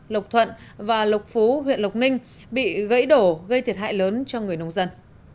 lộc thuận và lộc phú huyện lộc ninh bị gãy đổ gây thiệt hại lớn cho người nông dân